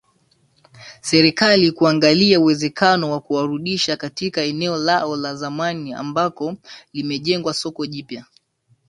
Serikali kuangalia uwezekano wa kuwarudisha katika eneo lao la zamani ambako limejengwa soko jipya